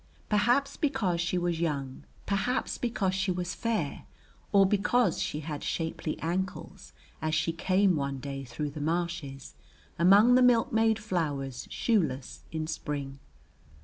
Perhaps because she was young, perhaps because she was fair or because she had shapely ankles as she came one day through the marshes among the milkmaid flowers shoeless in spring.